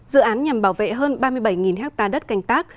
dự án nhằm bảo vệ hơn ba mươi bảy ha đất canh tác